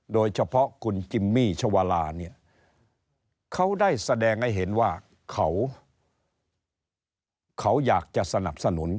โดยเฉพาะคุณจิมมี่ชวาลาเนี่ยเขาได้แสดงให้เห็นว่าเขาอยากจะสนับสนุน